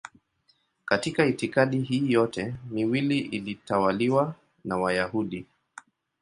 Katika itikadi hii yote miwili ilitawaliwa na Wayahudi.